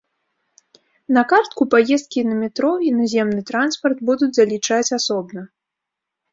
На картку паездкі на метро і наземны транспарт будуць залічаць асобна.